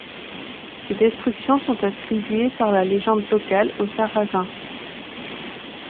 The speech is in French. Ces destructions sont attribuées par la légende locale aux Sarazins.